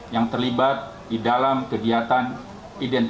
yang terlibat di dalam kegiatan identitas